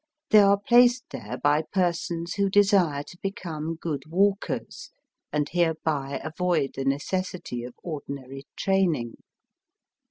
They are placed there by persons who desire to become good walkers, and hereby avoid the necessity of ordinary training.